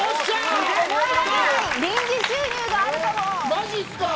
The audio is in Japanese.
マジすか？